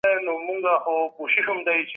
فيوډالي نظام حاکم و.